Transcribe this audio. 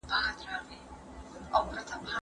نور خلګ يې د لرغوني يونان په څېر سياست بولي.